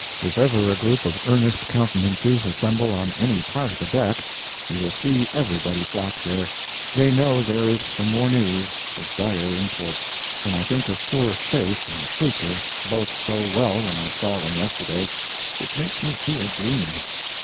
If ever a group of earnest countenances assemble on any part of the deck, you will see everybody flock there—they know there is some more news of dire import. When I think of poor 'Shape' and the preacher, both so well when I saw them yesterday, it makes me feel gloomy.